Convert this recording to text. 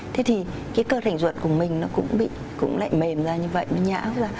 thế thì cơ rảnh ruột của mình cũng lại mềm ra như vậy nhã ra